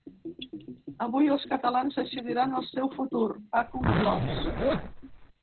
Avui els catalans decidiran el seu futur, ha conclòs.